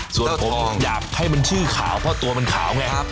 ส่วนผมอยากให้มันชื่อขาวเพราะตัวมันขาวไง